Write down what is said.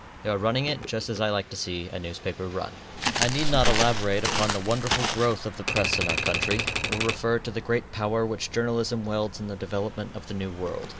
You are running it just as I like to see a newspaper run. I need not elaborate upon the wonderful growth of the press in our country, or refer to the great power which journalism wields in the development of the new world.